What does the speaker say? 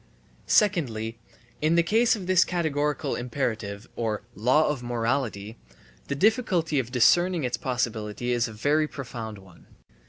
Secondly, in the case of this categorical imperative or law of morality, the difficulty (of discerning its possibility) is a very profound one.